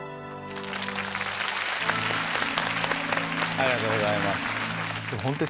ありがとうございます。